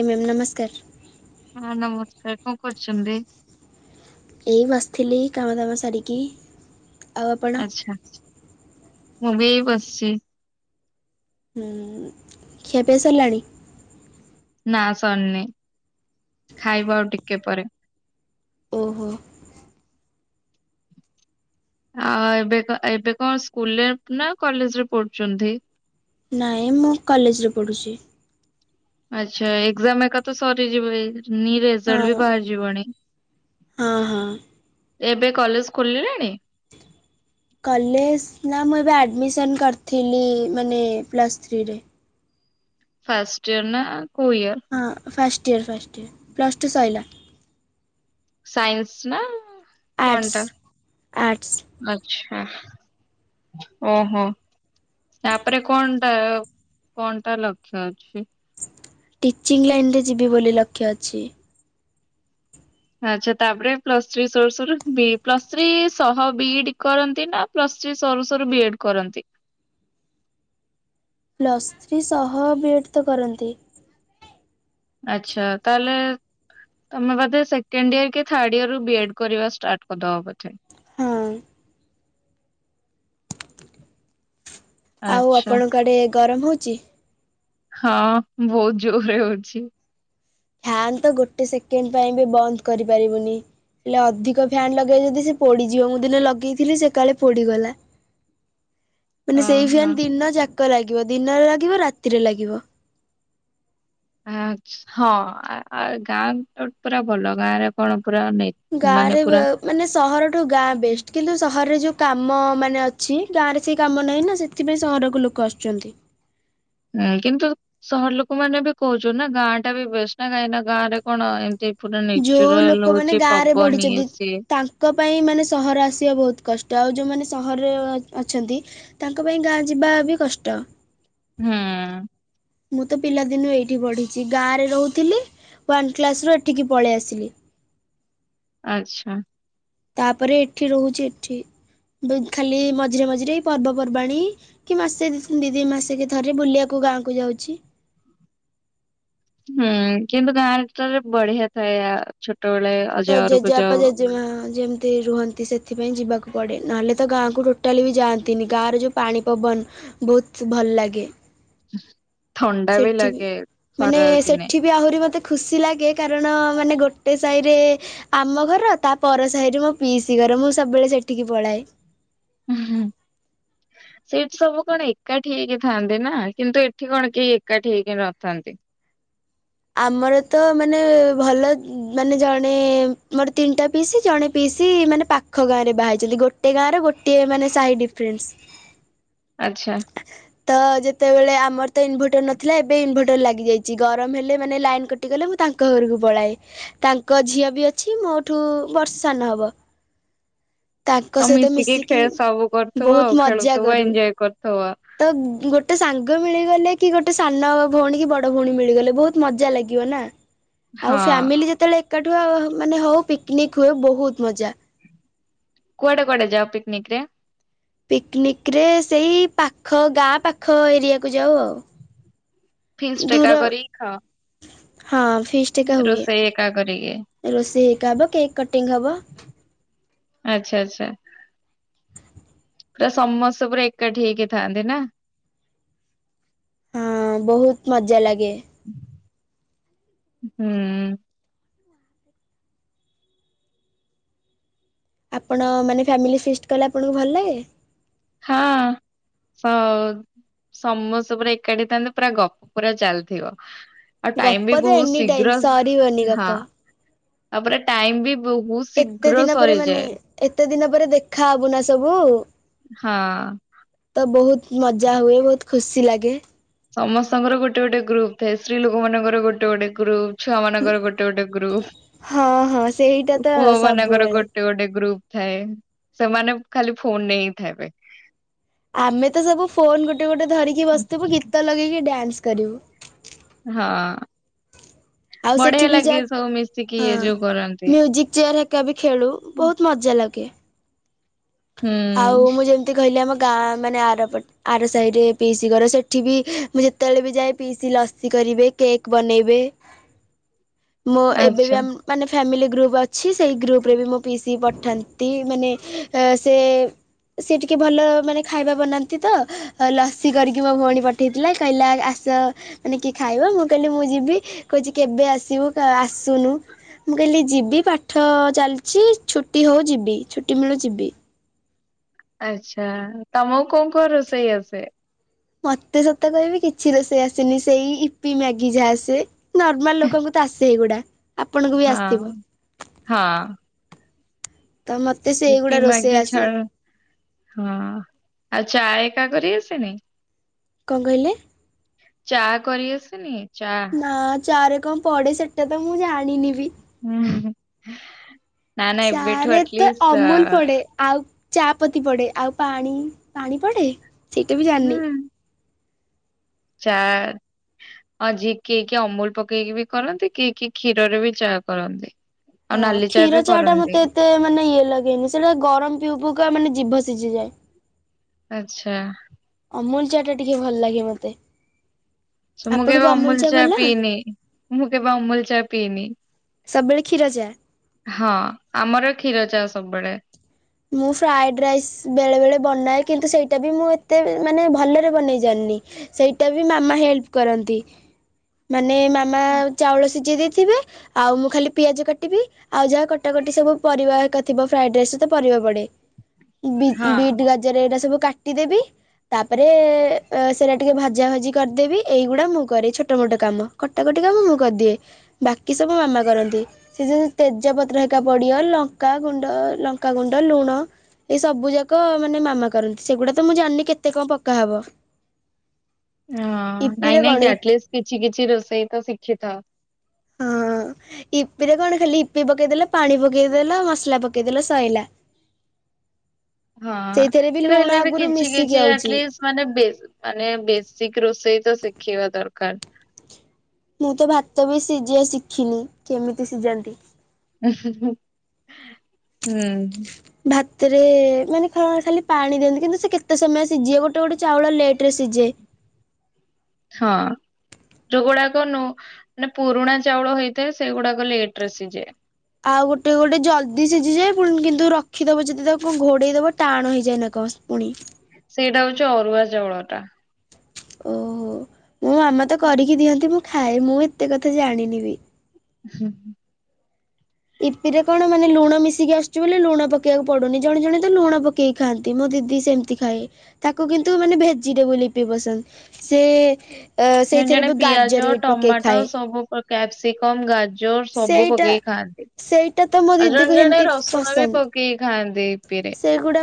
ଓ ma'am ନମସ୍କାର। ହଁ ନମସ୍କାର କଣ କରୁଛନ୍ତି। ଏଇ ବସିଥିଲି କାମଦାମ ସାରିକି। ଆଉ ଆପଣ ଆଛା ମୁଁ ବି ବସିଛି। ହୁଁ ଖିଆପିଆ ସରିଲାଣି? ନା ସରିନି ଖାଇବୁ ଆଉ ଟିକେ ପରେ। ଓହୋ ଆଉ ଏବେ ଏବେ କଣ ସ୍କୁଲରେ ନା କଲେଜ ରେ ପଢୁଛନ୍ତି। ନହିଁ ମୁଁ କଲେଜରେ ପଢ଼ୁଛି। ଆଛା ଏଜାମ ଏକ ତ ସରିଯିବ ରେଜଲଟ ହଁ ବି ବାହାରି ଯିବନି। ହଁ ହଁ। ଏବେ କଲେଜ ଖୋଲିଲାଣି? କଲେଜ ନା ମୁଁ ଏବେ ଆଡ଼ମିସନ କରିଥିଲି ମାନେ ପ୍ଲସ୍ ଥ୍ରୀରେ ଫଷ୍ଟଷ୍ଟ ଇୟରନ କୁଇୟର୍ ହଁ first year first year plus two ସୋଇଲା ସାଇନ୍ସ ନା ଆର୍ଟସ୍ କଣଟା ଆର୍ଟସ୍ ଆଛା ଓହୋ ତାପରେ କଣ ଟା? କଣ ଟା ଲକ୍ଷ୍ୟ ଅଛି। ଟିଚିଂ ଲାଇନ୍ରେ ଯିବି ବୋଲି ଲକ୍ଷ୍ୟ ଅଛି। ଆଛା ତାପରେ ପ୍ଲସ ଥ୍ରୀ ସୋର ବି ପ୍ଲସ ଥ୍ରୀ ଶହ ବି କରନ୍ତି ନା ପ୍ଲସ୍ ଥ୍ରୀ ସରୁ ସରୁ ବିଏଡ୍ କରନ୍ତି। ପ୍ଲସ୍ ଥ୍ରୀ ସହ ବିଏଡ଼୍ ତ କରନ୍ତି। ଆଛା ତାହେଲେ ତମେ ବଧେ ସେକେଣ୍ଡ ଇୟର କି ଥାର୍ଡ ଇୟର ରୁ ବି ଏଡ୍ କରିବା ଷ୍ଟାର୍ଟ କରିଦବ ବୋଧେ ହଁ ଅ ଆଉ ଆଚ୍ଛା ଆପଣଙ୍କ ଆଡ଼େ ଗରମ ହେଉଛି? ହଁ ବହୁତ ଜୋର ରେ ହଉଛି। ଫ୍ୟାନ୍ ତ ଗୋଟେ ସେକେଣ୍ଡ ପାଇଁ ବି ବନ୍ଦ କରିପାରିବୁନି। ହେଲେ ଅଧିକ ଫ୍ୟନ୍ ଲଗେଇ ଯଦି ସେ ପୋଡିଯିବ ମୁଁ ଦିନ ଲଗେଇଥିଲି ସେ କାଳେ ପୋଡିଗଲା। [inaudible] ମାନେ ସେଇ ଫ୍ୟାନ ଦିନ ଯାକ ଲାଗିବ, ଦିନରେ ଲାଗିବ ରାତିରେ ଲାଗିବ। ଆ ହଁ ଆ ଗାଁ ପୁରା ଭଲ ଗାଁ ରେ କଣ ପୁରା ନେଇ ଗାଁ ରେ ମାନେ ସହରଠୁ ଗାଁ ହୁଁ ବେଷ୍ଟ କିନ୍ତୁ ସହରରେ ଯେଉଁ କାମ ମାନେ ଅଛି, ଗାଁରେ ସେଇ କାମ ନାହିଁ ନା, ସେଥିପାଇଁ ସହରକୁ ଲୋକ ଆସୁଛନ୍ତି। କିନ୍ତୁ ସହର ଲୋକ ମାନେ ବି କହୁଛନ୍ତି ନା, ଗାଁ ଟା ବି ବେଷ୍ଟ ନା, କାହିଁକି ନା ଗାଁରେ କଣ ଏମିତି ପୁରା ଯୋଉ ନେଚୁରାଲ ହଉଛି ପବନ ଇଏ ସିଏ ଙ୍କ ପାଇଁ ମାନେ ସହର ଆସିବା ବହୁତ କଷ୍ଟ, ଆଉ ଯେଉଁମାନେ ସହରରେ ଅଛନ୍ତି ତାଙ୍କ ପାଇଁ ଗାଁ ଯିବା ବି କଷ୍ଟ ହୁଁ ଉଁ ମୁଁ ତ ପିଲାଦିନୁ ଏଇଠି ବଢ଼ିଛି, ଗାଁରେ ରହୁଥିଲି ୱାନ୍ କ୍ଲାସ ରୁ ଏଠିକି ପଳେଇ ଆସିଲି। ଆଛା। ତାପରେ ଏଠି ରହୁଛି ଏଠି, ଖାଲି ମଝିରେ ମଝିରେ ପର୍ବପର୍ବାଣି - କି ମାସେଛନ୍ତି ଦି ଦି ମାସେକ ଥରେ ବୁଲିବାକୁ ଗାଁକୁ ଯାଉଛି। ହୁଁ କିନ୍ତୁ ଗାଁରେ ବଢିଆ ଥାଏ ଛୋଟବେଳେ ତ ଅଜାଘରକୁ ଜେଜେବାପା ଯାଉ ଜେଜେମା ଯେମତି ରୁହନ୍ତି। ସେଥିପାଇଁ ଯିବାକୁ ପଡ଼େ, ନହେଲେ ତ ଗାଁକୁ ଟୋଟାଲି ବି ଯାଆନ୍ତିନି, ଗାଁରେ ଯେଉଁ ପାଣି ପବନ - ବହୁତ ଭଲ ଲାଗେ। ଥଣ୍ଡା ବି ଲାଗେ ମାନେ ଖରା ଦିନେ। ସେଠି ବି ଆହୁରି ମୋତେ ଖୁସି ଲାଗେ, କାରଣ ମାନେ ଗୋଟେ ସାହିରେ - ଆମ ଘର ତା ପର ସାହିରେ ମୋ ପିଇସି ଘର, ମୁଁ ସବୁବେଳେ ସେଠିକି ପଳାଏ। ହୁଁ ହୁଁ ସେଠି ସବୁ କଣ ଏକାଠି ହେଇକି ଥାଆନ୍ତି ନା, କିନ୍ତୁ ଏଠି କଣ କେହି ଏକାଠି ହେଇକି ନଥାନ୍ତି। ଆମର ତ ମାନେ ଭଲ ମାନେ ଜଣେ ମୋର ତିନିଟା ପିସି ଜଣେ ପିସି ମାନେ - ପାଖ ଗାଁ ରେ ବାହାହେଇଛନ୍ତି, ଗୋଟେ ଗାଁ ର ଗୋଟଏ ମାନେ ସାହି ଡିଫରେନ୍ସ ଆଛା। ତ ଯେତେବେଳେ ଆମର ତ ଇନଭଟର ନଥିଲା, ଏବେ ଇନଭଟର ଲାଗି ଯାଇଛି, ଗରମ ହେଲେ - ମାନେ ଲାଇନ କଟି ଗଲେ, ମୁଁ ତାଙ୍କ ଘରକୁ ପଳାଏ। ତାଙ୍କ ଝିଅ ବି ଅଛି ମୋଠୁ ବର୍ଷେ ସାନ ହବ। ତାଙ୍କ ଆଉ ସହିତ ମିଶିକି ଖେ ସବୁ କରୁଥିବ ଆଉ ବହୁତ ମଜା ଖେଳୁଥିବ କରୁ। ଏଞ୍ଜୟ କରୁଥିବ। ତ ଗୋଟେ ସାଙ୍ଗ ମିଳିଗଲେ କି ଗୋଟେ ସାନ ଭଉଣୀ କି ବଡ ଭଉଣୀ ମିଳିଗଲେ ବହୁତ - ଭଲ ଲାଗିବ ନା, ଆଉ ହଁ ଫାମିଲି ଯେତେବେଳେ - ଏକାଠୁଆ ମାନେ ହଉ ପିକ୍ନିକ ହଉ, ବହୁତ ମଜା। କୁଆଡେ କୁଆଡେ ଯାଅ ପିକନିକ ରେ? ପିକନିକ ରେ ସେଇ ପାଖ ଗାଁ ପାଖ ଏରିଆକୁ ଯାଉ ଆଉ। ଫିସ ଦୂର ଟେକା କରି ଖାଅ। ହଁ ଫି ରୋଷେଇ ଏକା କରିକି। ରୋଷେଇ ହେଇକା ହବ, କେକ୍ କଟିଙ୍ଗ ହବ। ଆଛା ଆଛା। ପୁରା ସମସ୍ତେ ପୁରା ଏକାଠି ହେଇକି ଥାଆନ୍ତି ନା। ହଁ [inaudible] ବହୁତ ମଜା ଲାଗେ। ହୁଁ। ଆପଣ ମାନେ ଫ୍ୟାମିଲି ସିଷ୍ଟ କଲେ ଆପଣଙ୍କୁ ଭଲ ଲାଗେ? ହଁ। ହ ସ ସମସ୍ତେ ପୁରା ଏକାଠି ଥାନ୍ତେ ପୁରା ଗପ ପୁରା ଚାଲିଥିବ। ଆଉ ଟାଇମ ଗପ ବି ତ ବହୁତ ଏନି ଟାଇମ୍ ଶୀଘ୍ର ସରିବନି ହଁ ଗପ। ତାପରେ ଟାଇମ ବି ବହୁତ ଏତେ ଶୀଘ୍ର ଦିନ ପରେ ମାନେ ସରିଯାଏ ଏତେ ଦିନ ପରେ ଦେଖା ହବୁ ନା ସବୁ। ହଁ। ତ ବହୁତ ମଜା ହୁଏ ବହୁତ ଖୁସି ଲାଗେ। ସମସ୍ତଙ୍କର ଗୋଟେ ଗୋଟେ ଗ୍ରୁପ ଥାଏ। ସ୍ତ୍ରୀ ଲୋକ ମାନଙ୍କର ଗୋଟେ ଗୋଟେ ଗ୍ରୁପ। ଛୁଆ ମାନଙ୍କର ଗୋଟେ ଗୋଟେ ହଁ ହଁ ସେଇଟା ଗ୍ରୁପ। ତ ପୁଅ ମାନଙ୍କର ସବୁବେଳେ। ଗୋଟେ - ଗୋଟେ ଗୋଟେ ଗ୍ରୁପ ଥାଏ। ସେମାନେ ଖାଲି ଫୋନ ନେଇିଁ ଥାବେ। ଆମେ ତ ସବୁ ଫୋନ ଗୋଟେ ଗୋଟେ ଧରିକି ବସିଥିବୁ ଗୀତ ଲଗେଇକି ଡ୍ୟାନ୍ସ କରିବୁ। ହଁ ଆଉ ସେଠି ବଢିଆ ବି ଲାଗେ ସବୁ ମିଶିକି ଏଇ ଯୋଉ କରନ୍ତି। କି ଚେୟ ରେ ଏକା ବି ଖେଳୁ ବହୁତ ମଜା ଲାଗେ। ଆଉ ହୁଁ ମୁଁ ଯେମିତି କହିଲି ଆମ ଗାଁ ମାନେ ଆରପଟେ ଆର ସାହିରେ ପିଇସି ଘରେ ସେଠି ବି ମୁଁ ଯେତେବେଳେ ବି ଯାଏ ପିଇସି ଲସି କରିବେ। କେକ୍ ବନେଇବେ। [inaudible] ମୁଁ ଏବେ ବି ଆଚ୍ଛା ଆମ ମାନେ ଫ୍ୟାମିଲି ଗ୍ରୁପ୍ ଅଛି ସେଇ ଗ୍ରୁପ୍ରରେ ବି ମୁଁ ପି ସି ପଠାନ୍ତି ମାନେ ସେ ସେ ଟିକେ ଭଲ ମାନେ ଖାଇବା ବନାନ୍ତି ତ ଲସି କରିକି ମୋ ଭଉଣୀ ପଠାଇଥିଲା କହିଲା ଆସ ମାନେ କିଏ ଖାଇବ ମୁଁ କହିଲି ମୁଁ ଯିବି କହୁଚି କେବେ ଆସିବୁ ଆସୁନୁ। ମୁଁ କହିଲି ଯିବି ପାଠ ଚାଲିଚି ଛୁଟି ହଉ ଯିବି ଛୁଟି ମିଳୁ ଯିବି। ଆଚ୍ଛା ତମକୁ କୋଉ କଣ ରୋଷେଇ ଆସେ। ମତେ ସତେ କହିବି କିଛି ରୋଷେଇ ଆସେନି। ସେଇ ଇପି ମ୍ୟାଗି ଯାହା ଆସେ। ନର୍ମାଲ ଲୋକଙ୍କୁ ତ ଆସେ ଏଗୁଡ଼ା। ଆପଣଙ୍କୁ ବି ହଁ ଆସିଥିବ? ହଁ। ତ ମତେ ୟିପି ସେଇଗୁଡା ରୋଷେଇ ମାଗି ଆସେ। ଛାଡ ହଁ ଆଉ ଚା ଏକା କରି ଆସେନି? କଣ କହିଲେ? ଚା କରି ଆସନି ଚା? ହଁ ଚାରେ କଣ ପଡେ ସେଟା ତ ମୁଁ ଜାଣିନି ବି। ହୁଁ। ନା ନା ଏବେଠୁ ସାରେ ତ ଆଟଲିଷ୍ଟ ଅମୁଲ ପଡେ ଆଉ ଚା ପତି ପଡ଼େ ଆଉ ପାଣି ପାଣି ପଡ଼େ ସେଇଟା ବି ଜାଣିନି। ଚାର। ଆଜିିଏ କିଏ କିଏ ଅମୁଲ ପକେଇକି ବି କରନ୍ତି କିଏ କିଏ କ୍ଷୀରରେ ବି ଚାହା କରନ୍ତି। ଆଉ ହଁ ନାଲି ବି କ୍ଷୀର ଚା ଟା କରନ୍ତି ମତେ ଏତେ ମାନେ ଇଏ ଲାଗେନି ସେଇଟା ଗରମ ପିଉ ପକା ମାନେ ଜିଭ ସିଝିଯାଏ। ଆଚ୍ଛା। ଅମୁଲ ଚାହା ଟା ଟିକେ ଭଲ ଲାଗେ ମତେ। ସ ମୁଁ କେବେ ଅମୁଲ ଚା ପିଇନି। ମୁଁ କେବେ ଅମୁଲ ଚା ପିଇନି। ସବୁବେଳେ କ୍ଷୀର ଚା। ହଁ ଆମର କ୍ଷୀର ଚା ସବୁବେଳେ। ମୁଁ ଫ୍ରାଏଡ଼ ରାଇସ୍ ବେଳେବେଳେ ବନାଏ କିନ୍ତୁ ସେଇଟା ବି ମୁଁ ଏତେ ମାନେ ଭଲରେ ବନେଇ ଯାଣିନି। ସେଇଟା ବି ମାମା ହେଲ୍ପ କରନ୍ତି ମାନେ ମାମା ଚାଉଳ ସିଝି ଦେଇଥିବେ। ଆଉ ମୁଁ ଖାଲି ପିଆଜ କାଟିବି ଆଉ ଯାହା କଟାକଟି ସବୁ ପରିବା ଏକା ଥିବ ଫ୍ରାଏଡ ରାଇସ୍ ତେ ପରିବା ପଡ଼େ ହଁ ବି-ବିଟି ଗାଜର ଏଇଟା ସବୁ କାଟିଦେବି। ତାପରେ ଅ ସେଇଟା ଟିକେ ଭାଜା ଭାଜି କରିଦେବି ଏଇଗୁଡା ମୁଁ କରେ ଛୋଟ ମୋଟ କାମ। କଟାକଟି କାମ ମୁଁ କରିଦିଏ। ବାକି ସବୁ ମାମା କରନ୍ତି ସେ [unintelligible] ତେଜପତ୍ର ହରୀକା ପଡ଼ିବ ଲଙ୍କା ଗୁଣ୍ଡ ଲ ଲଙ୍କା ଗୁଣ୍ଡ ଲୁଣ। ଏ ସବୁ ଯାକ ମାନେ ମାମା କରନ୍ତି ସେଗୁଡା ତ ମୁଁ ଜାଣିନି କେତେ କଣ ପକା ହବ। ହଁ ଇପିରେ ନାଇଁ ନାଇଁ କଣ ଆଟଲିଷ୍ଟ କିଛି କିଛି ରୋଷେଇ ତ ଶିଖିଥାଅ। [inaudible] ଇପି ରେ କଣ ଖାଲି ଇପି ପକେଇଦେଲ ପାଣି ପକେଇଦେଲ ମସଲା ପକେଇଦେଲ ସଇଲା। ହଁ ସେଇଥିରେ କିନ୍ତୁ ଲୁଣ ହେଲେ ବି ଆଗରୁ କିଛି ମିଶିକି କିଛି ଆଉଛି। ଆଟଲିଷ୍। ମାନେ ବେ ମାନେ ବେସିକ ରୋଷେଇ ତ ଶିଖିବା ଦରକାର। ମୁଁ ତ ଭାତ ବି ସିଝିବା ଶିଖିନି କେମିତି ସିଝାନ୍ତି। ଉଁ ହୁଁ ହୁଁ ହୁଁ। ଭାତରେ ମାନେ କଣ ଖାଲି ପାଣି ଦିଅନ୍ତି କିନ୍ତୁ ସେ କେତେ ସମୟ ସିଝେ ଗୋଟେ ଗୋଟେ ଚାଉଳ ଲେଟରେ ସିଝେ। ହଁ। ଯୋଉଗୁଡାକ ନୁ ମାନେ ପୁରୁଣା ଚାଉଳ ହେଇଥାଏ ସେଗୁଡାକ ଲେଟ ରେ ସିଝେ। ଆଉ ଗୋଟେ ଗୋଟେ ଜଲଦି ସିଝିଯାଏ ପୁଣ କିନ୍ତୁ ରଖିଦବ ଯଦି ତାକୁ ଘୋଡ଼େଇ ଦବ ଟାଣ ହେଇଯାଏ ନା କଣ। ପୁଣି। ସେଇଟା ହଉଛି ଅରୁଆ ଚାଉଳ ଟା। ଓହୋ ମୋ ମାମା ତ କରିକି ଦିଅନ୍ତି ମୁଁ ଖାଏ ମୁଁ ଏତେ କଥା ଜାଣିନିି ବି। ହୁଁ ହୁଁ। ଇପିରେ କଣ ମାନେ ଲୁଣ ମିଶିକି ଆସୁଛି ବୋଲି ଲୁଣ ପକେଇଆକୁ ପଡୁନି ଜଣେ ଜଣେ ତ ଲୁଣ ପ କେହି ଖାଆନ୍ତି ମୋ ଦିଦି ସେମିତି ଖାଏ ତାକୁ କିନ୍ତୁ ମାନେ ଭେଜିଟେବୁଲ ଇପି ପସନ୍ଦ। ସେ। ଏ ଜଣେ ସେଇଥିରେ ଜଣେ ବି ଗାଜର ପିଆଜ, ବିଟ ପକେଇ ଟମାଟୋ ଖାଏ ସବୁ ପକା କ୍ୟାପସିକମ, ଗାଜର ସବୁ ସେଇଟା ପକେଇକି ଖାଆନ୍ତି। ସେଇଟା ତ ମୋ ଆଉ ଦିଦିକୁ ଜଣେ ଜଣେ ସେମିତି ରସୁଣ ବି ପକେଇକି ଖାଆନ୍ତି ଇପିରେ। ସେଗୁଡ଼ା।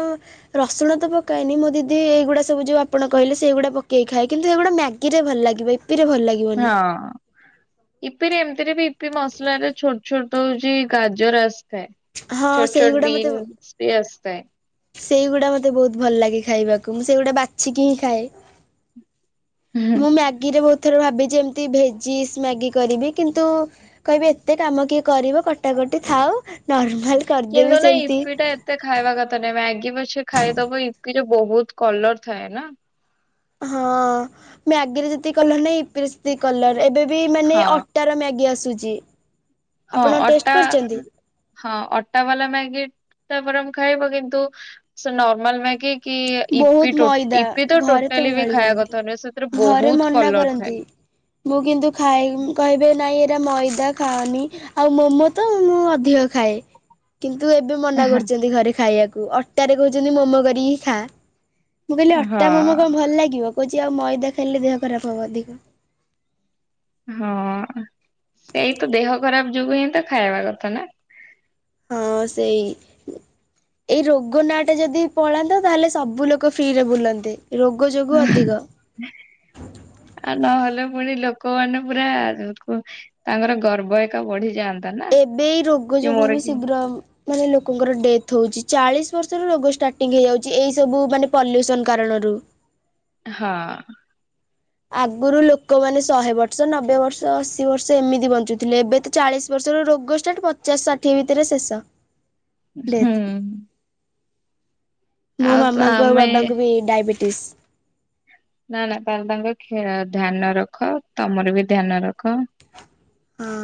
ରସୁଣ ତ ପକାଏନି ମୋ ଦିଦି ଏଇଗୁଡ଼ା ସବୁ ଯଉ ଆପଣ କହିଲେ ସେଇଗୁଡ଼ା ପକେଇ ଖାଏ କିନ୍ତୁ ସେଇଗୁଡ଼ା ମ୍ୟାଗିରେ ଭଲ ଲାଗିବ ଇ ଇପି ରେ ଭଲ ଲା ହଁ। ଇପିରେ ଏମିତିରେ ବି ଇପି ମସଲାରେ ଛୋଟ ଛୋଟ ହଉଛି ଗାଜର ଆସିଥାଏ। ହଁ ଛୋଟ ଛୋଟ ବିନ୍ସ ବି ଆସିଥାଏ। ସେଇଗୁଡା ମତେ ବହୁତ ଭଲ ଲାଗେ ଖାଇବାକୁ ମୁଁ ସେଇଗୁଡା ବାଛିକି ହିଁ ଖାଏ। ମୁଁ ମ୍ୟାଗିରେ ବହୁତ ଥର ଭାବିଚି ଏମିତି ଭେଜିସ ମ୍ୟାଗି କରିବି କିନ୍ତୁ। କହିବି ଏତେ କାମ କିଏ କରିବ କଟାକଟି ଥାଉ ନର୍ମାଲ କିନ୍ତୁ କରିଦେବି ନା ସେମିତି। ଇପି ଟା ଏତେ ଖାଇବା କଥା ନୁହେଁ ମ୍ୟାଗି ପଛେ ଖାଇଦବ ଇପିରେ ବହୁତ କଲର ଥାଏ ନା। ହଁ ମ୍ୟାଗିରେ ଯେତିକି କଲର ନାଇ ଇପିରେ ସେତିକି କଲର ଏବେ ବି ମାନେ ହଁ ଅ ଅଟାର ମ୍ୟାଗି ଆସୁଛି। ହଁ ଆପଣ ଅଟା ଟେଷ୍ଟ କରିଛନ୍ତି? ହଁ ଅଟା ବାଲା ମ୍ୟାଗି ଟା ବରଂ ଖାଇବ କିନ୍ତୁ ସେ ନର୍ମାଲ ମ୍ୟାଗି। କି ଇପି ବହୁତ ଟୋ ମଇଦା ଇପି ତ ଘରେ ଟୋଟାଲି ବି ଗାଳି ଖାଇବା କରନ୍ତି। କଥା ନୁହେଁ ସେଥିରେ ଘରେ ବହୁତ ମନା କଲର କରନ୍ତି। ଥାଏ। ମୁଁ କିନ୍ତୁ ଖାଏ ଉଁ କହିବେ ନାଇଁ ଏଇଟା ମଇଦା ଖାଆନି। ଆଉ ମୋମୋ ତ ମୁଁ ଅଧିକ ଖାଏ କିନ୍ତୁ ଏ ଏବେ ମନା କରୁଛନ୍ତି ଘରେ ଖାଇବାକୁ ଅଟାରେ କହୁଛନ୍ତି ମୋମୋ କରିକି ଖା। ମୁଁ କହିଲି ଅଟା ମୋମୋ ହଁ କଣ ଭଲ ଲାଗିବ? କହୁଛି ଆଉ ମଇଦା ଖାଇଲେ ଦେହ ଖରାପ ହବ ଅଧିକ। ହଁ ସେଇ ତ ଦେହ ଖରାପ ଯୋଗୁ ହିଁ ତ ଖାଇବା କଥା ନା। ହଁ ସେଇ। ଏଇ ରୋଗ ନା ଟା ଯଦି ପଳାନ୍ତା ତାହେଲେ ସବୁ ଲୋକ ଫ୍ରିରେ ବୁଲନ୍ତେ ରୋଗ ଯୋଗୁ ଅଧିକ। ଆଉ ନହେଲେ ପୁଣି ଲୋକମାନେ ପୁରା କୁ ତାଙ୍କର ଗର୍ବ ଏକା ବଢିଯା ଏବେ ରୋଗ ଯୋଗୁ ବି ଶୀଘ୍ର ମାନେ ଲୋକଙ୍କର ଡେଥ୍ ହେଉଛି। ଚାଳିଶ ବର୍ଷରୁ ରୋଗ ଷ୍ଟାର୍ଟିଂ ହେଇଯାଉଛି ଏଇସବୁ ମାନେ ପଲ୍ୟୁସନ୍ କାରଣରୁ। ହଁ। ଆଗରୁ ଲୋକମାନେ ଶହେ ବର୍ଷ ନବେ ବର୍ଷ ଅଶୀ ବର୍ଷ ଏମିତି ବଞ୍ଚୁଥିଲେ। ଏବେ ତ ଚାଳିଶ ବର୍ଷର ରୋଗ ଷ୍ଟାର୍ଟ ପଚାଶ ଷାଠିଏ ଭିତରେ ଶେଷ। ଡେଥ୍ ହୁଁ। ମୋ ଆଉ ତ ମାମାଙ୍କୁ ଆଉ ଆମେ ବାବାଙ୍କୁ ବି ଡାଇବେଟିସ। ନା ନା ତ ତାଙ୍କ ଧ୍ୟାନ ରଖ ତମର ବି ଧ୍ୟାନ ରଖ। ହଁ।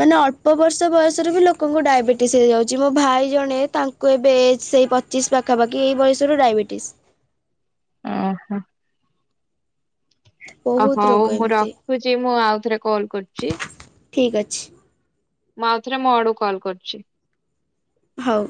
ମାନେ ଅଳ୍ପ ବର୍ଷ ବୟସରେ ବି ଲୋକଙ୍କୁ ଡାଇବେଟିସ୍ ହେଇଯାଉଛି। ମୋ ଭାଇ ଜଣେ ତାଙ୍କ କୁ ଏବେ ଏଜ୍ ସେଇ ପଚିଶ ପାଖାପାଖି ଏଇ ବୟସରୁ ଡାଇବେଟିସ୍। ଓହୋ। ଓ ବହୁତ ହୋଉ ରୋଗ ମୁଁ ଏମିତି ରଖୁଛି ମୁଁ ଆଉଥରେ କଲ କରୁଛି। ଠିକ୍ ଅଛି। ମୁଁ ଆଉଥରେ ମୋ ଆଡୁ କଲ୍ କରୁଛି। ହୋଉ।